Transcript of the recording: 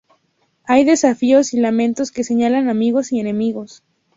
Hay desafíos y lamentos que señalan amigos y enemigos.